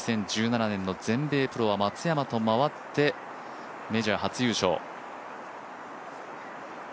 ２０１７年の全米プロは松山と回ってメジャー初優勝。